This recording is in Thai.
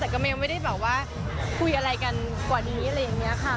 แต่ก็ไม่ได้แบบว่าคุยอะไรกันกว่านี้อะไรอย่างนี้ค่ะ